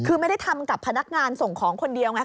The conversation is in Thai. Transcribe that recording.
คือไม่ได้ทำกับพนักงานส่งของคนเดียวไง